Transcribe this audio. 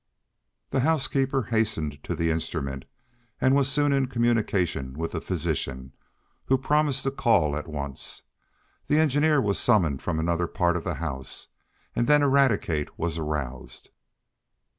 The housekeeper hastened to the instrument, and was soon in communication with the physician, who promised to call at once. The engineer was summoned from another part of the house, and then Eradicate was aroused.